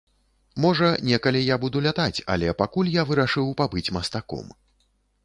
Можа, некалі я буду лятаць, але пакуль я вырашыў пабыць мастаком.